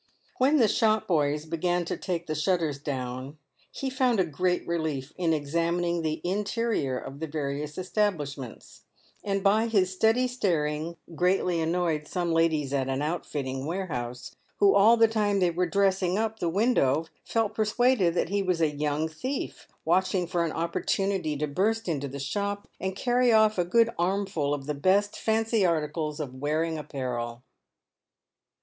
When the shop boys began to take the shutters down, he found a r PAYED WITH GOLD. 85 great relief in examining the interior of the various establishments, and by his steady staring greatly annoyed some ladies at an outfitting warehouse, who all the time they were "dressing up" the window felt persuaded that he was a young thief watching for an opportu nity to burst into the shop and carry off a good armful of the best fancy articles of wearing apparel.